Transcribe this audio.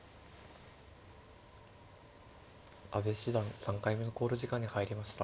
阿部七段３回目の考慮時間に入りました。